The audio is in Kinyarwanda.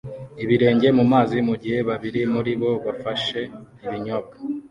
ibirenge mu mazi mu gihe babiri muri bo bafashe ibinyobwa